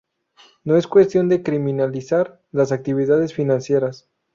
No es cuestión de criminalizar las actividades financieras.